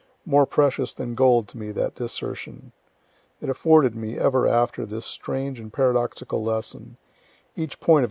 More precious than gold to me that dissertion it afforded me, ever after, this strange and paradoxical lesson; each point of E.'